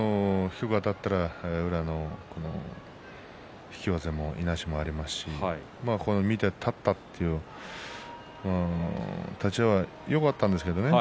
低くあたったら宇良の引き技も、いなしもありますし見て立ったという立ち合いはよかったんですけどね。